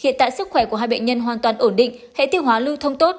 hiện tại sức khỏe của hai bệnh nhân hoàn toàn ổn định hãy tiêu hóa lưu thông tốt